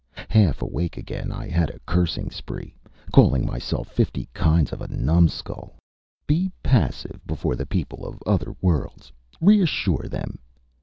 Half awake again, I had a cursing spree, calling myself fifty kinds of a numbskull. Be passive before the people of other worlds! Reassure them!